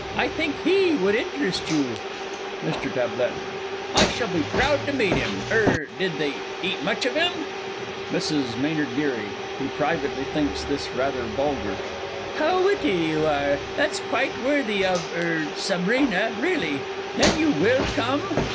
I think he would interest you. MR. T. I shall be proud to meet him. Er did they eat much of him? MRS. M. G. (who privately thinks this rather vulgar). How witty you are! That's quite worthy of er Sabrina, really! Then you will come?